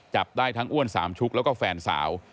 จับได้ทั้งอ้วนสามชุกแล้วก็แฟนสาว